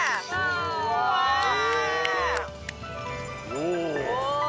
おお。